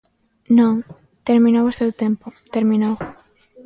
Non, terminou o seu tempo, terminou.